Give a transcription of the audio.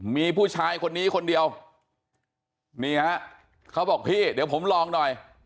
มีผู้ชายคนนี้คนเดียวนี่ฮะเขาบอกพี่เดี๋ยวผมลองหน่อย